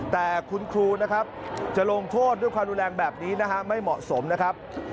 แต่คุณครูนะครับจะลงโทษด้วยความรุนแรงแบบนี้นะฮะไม่เหมาะสมนะครับ